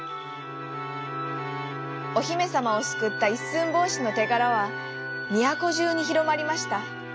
おひめさまをすくったいっすんぼうしのてがらはみやこじゅうにひろまりました。